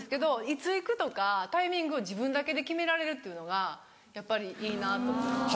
いつ行くとかタイミングを自分だけで決められるっていうのがやっぱりいいなと思います。